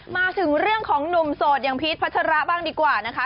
มาถึงเรื่องของหนุ่มโสดอย่างพีชพัชระบ้างดีกว่านะคะ